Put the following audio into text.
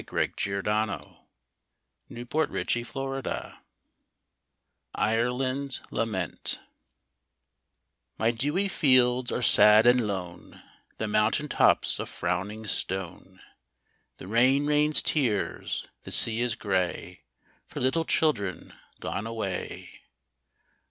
e 65 TLhc jforsafeen /Ifcotber (Ireland's lament) M Y dewy fields are sad and lone, The mountain top's a frowning stone* The rain rains tears, the sea is grey For little children gone away.